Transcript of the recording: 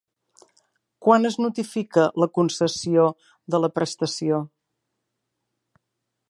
Quan es notifica la concessió de la prestació?